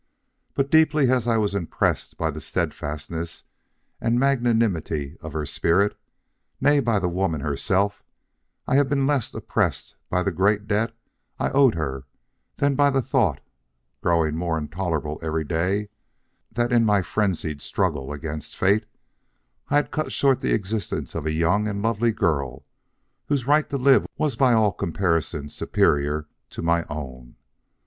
But deeply as I was impressed by the steadfastness and magnanimity of her spirit, nay by the woman herself, I have been less oppressed by the great debt I owed her than by the thought, growing more intolerable every day, that in my frenzied struggle against fate I had cut short the existence of a young and lovely girl whose right to live was beyond all comparison superior to my own.